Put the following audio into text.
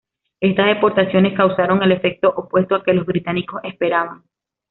Estas deportaciones causaron el efecto opuesto al que los británicos esperaban.